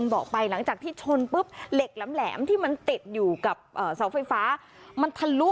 บอกไปหลังจากที่ชนปุ๊บเหล็กแหลมที่มันติดอยู่กับเสาไฟฟ้ามันทะลุ